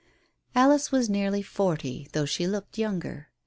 Alice was nearly forty, though she looked younger.